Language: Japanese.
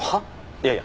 いやいや。